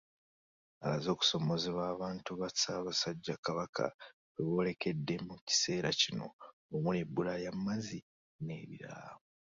Alaze okusoomoozebwa abantu ba Ssaabasajja Kabaka kwe boolekedde mu kiseera kino omuli ebbula ly’amazzi n’ebirala